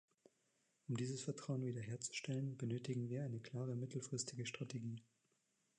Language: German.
Um dieses Vertrauen wiederherzustellen, benötigen wir eine klare mittelfristige Strategie.